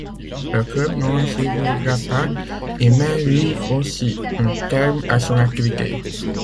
Le club n'en survivra pas et met lui aussi un terme à son activité.